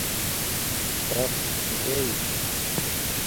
تخت لئئ